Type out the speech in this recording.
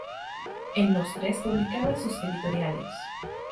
En los tres publicaba sus editoriales.